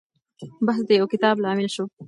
بحث د يو کتاب لامل شو.